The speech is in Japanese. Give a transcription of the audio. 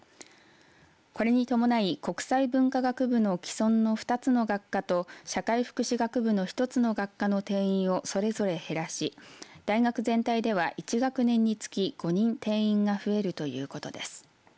これに伴い、国際文化学部の既存の２つの学科と社会福祉学部の１つの学科の定員をそれぞれ減らし大学全体では１学年につき、５人、定員が増えるということです。